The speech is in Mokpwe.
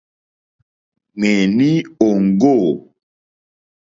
Ŋmèní òŋɡô.